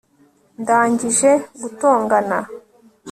ndangije gutongana